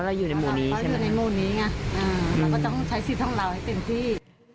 เราอยู่ในหมู่นี้ไงเราก็ต้องใช้สิทธิ์ทั้งเราให้เต็มที่